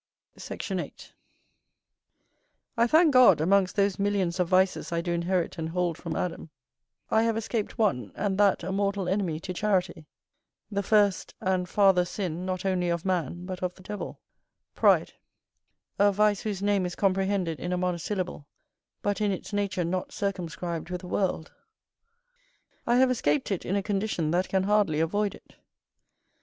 Sect. 8. I thank God, amongst those millions of vices I do inherit and hold from Adam, I have escaped one, and that a mortal enemy to charity, the first and father sin, not only of man, but of the devil, pride; a vice whose name is comprehended in a monosyllable, but in its nature not circumscribed with a world, I have escaped it in a condition that can hardly avoid it.